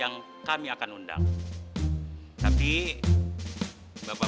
insya allah kami akan mengadakan selamatkan kek